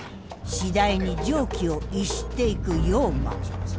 次第に常軌を逸していく陽馬。